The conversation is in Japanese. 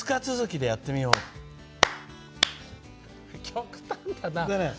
極端だな。